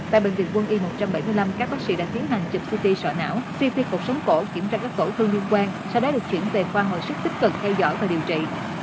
tại bệnh viện quân y một trăm bảy mươi năm các bác sĩ đã tiến hành chụp ct sở não fivi cuộc sống cổ kiểm tra các tổ thương liên quan sau đó được chuyển về khoa hồi sức tích cực theo dõi và điều trị